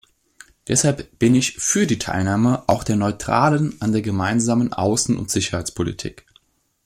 Deshalb bin ich für die Teilnahme auch der Neutralen an der gemeinsamen Außen- und Sicherheitspolitik.